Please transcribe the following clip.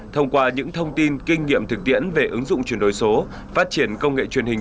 thông qua những thông tin kinh nghiệm thực tiễn về ứng dụng chuyển đổi số phát triển công nghệ truyền hình